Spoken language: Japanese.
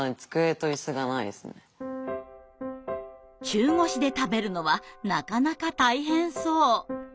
中腰で食べるのはなかなか大変そう。